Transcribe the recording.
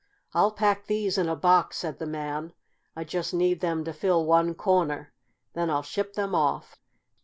"I'll pack these in a box," said the man. "I just need them to fill one corner. Then I'll ship them off."